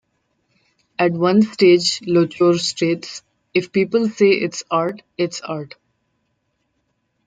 At one stage Lochore states, "if people say it's art, it's art".